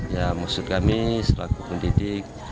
ya maksud kami selaku pendidik